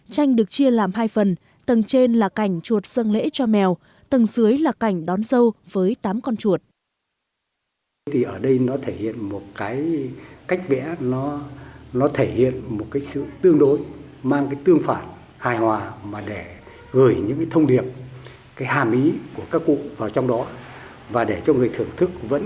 tranh được chia làm hai phần tầng trên là cảnh chuột sân lễ cho mèo tầng dưới là cảnh đón dâu với tám con chuột